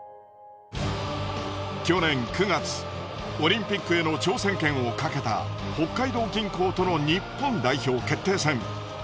去年９月オリンピックへの挑戦権をかけた北海道銀行との日本代表決定戦。